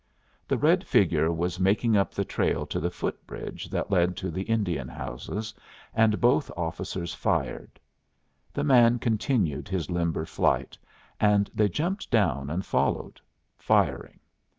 The red figure was making up the trail to the foot bridge that led to the Indian houses, and both officers fired. The man continued his limber flight, and they jumped down and followed, firing.